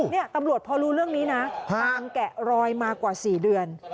นี่ตำรวจพอรู้เรื่องนี้นะตามแกะรอยมากว่า๔เดือน